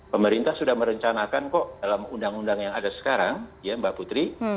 pemerintah sudah merencanakan kok dalam undang undang yang ada sekarang ya mbak putri